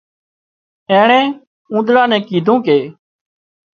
اينڻي اونۮاڙا نين ڪيڌون ڪي